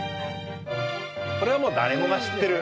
これはもう誰もが知ってる。